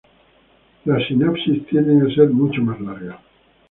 Las sinapsis tienden a ser mucho más largas.